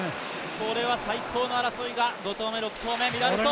これは最高の争いが５投目、６投目で見られそう。